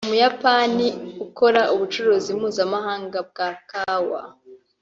Umuyapani ukora ubucuruzi mpuzamahanga bwa kawa